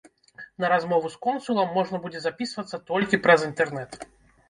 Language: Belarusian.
На размову з консулам можна будзе запісвацца толькі праз інтэрнэт.